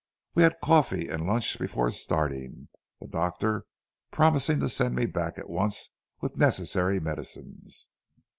We had coffee and lunch before starting, the doctor promising to send me back at once with necessary medicines.